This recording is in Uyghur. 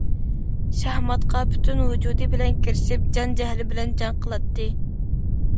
شاھماتقا پۈتۈن ۋۇجۇدى بىلەن كىرىشىپ، جان- جەھلى بىلەن جەڭ قىلاتتى.